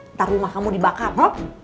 ntar rumah kamu dibakar